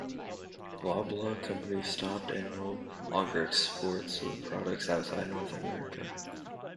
Loblaw Companies stopped and no longer exports the products outside North America.